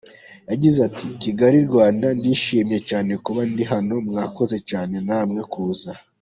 Yagize ati "Kigali Rwanda ndishimye cyane kuba ndi hano mwakoze cyane namwe kuza.